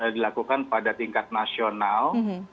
dilakukan pada tingkat nasional